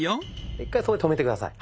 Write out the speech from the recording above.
一回そこで止めて下さい。